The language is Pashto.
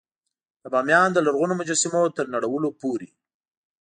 د بامیان د لرغونو مجسمو تر نړولو پورې.